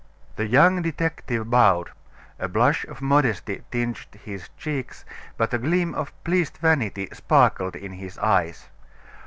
The young detective bowed; a blush of modesty tinged his cheeks, but a gleam of pleased vanity sparkled in his eyes.